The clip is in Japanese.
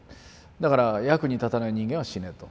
だから役に立たない人間は死ねと。